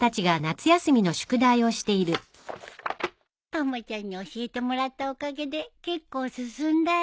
たまちゃんに教えてもらったおかげで結構進んだよ。